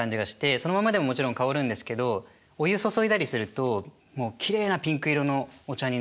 そのままでももちろん香るんですけどお湯注いだりするともうきれいなピンク色のお茶になって。